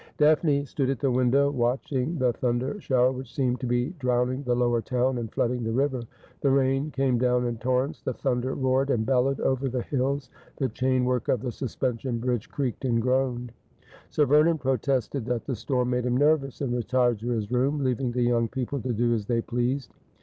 Daphne stood at the window watching the thunder shower, which seemed to be drowning the lower town and flooding the river. The rain came down in torrents ; the thunder roared and bellowed over the hills ; the chainwork of the suspension bridge creaked and groaned. Sir Vernon protested that the storm made him nervous, and retired to his room, leaving the young people to do as they pleased.